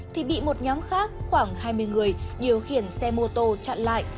thì bị một nhóm khác khoảng hai mươi người điều khiển xe mô tô chặn lại